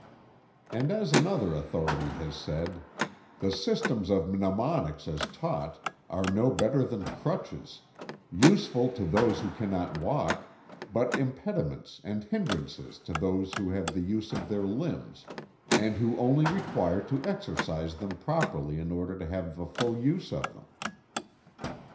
And as another authority has said: "The systems of mnemonics as taught, are no better than crutches, useful to those who cannot walk, but impediments and hindrances to those who have the use of their limbs, and who only require to exercise them properly in order to have the full use of them."